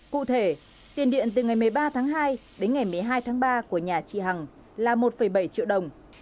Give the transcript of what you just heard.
cụ thể tiền điện từ ngày một mươi ba tháng hai đến ngày một mươi hai tháng ba của nhà chị hằng là một bảy triệu đồng